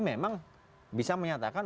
memang bisa menyatakan